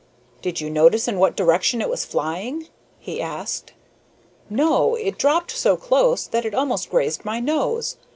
"Did you notice in what direction it was flying?" he asked. "No, it dropped so close that it almost grazed my nose.